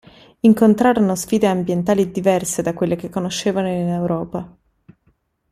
Incontrarono sfide ambientali diverse da quelle che conoscevano in Europa.